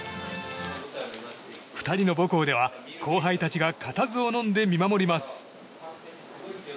２人の母校では後輩たちが固唾をのんで見守ります。